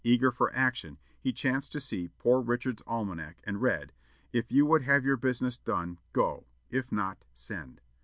Eager for action, he chanced to see "Poor Richard's Almanac," and read, "If you would have your business done, go; if not, send."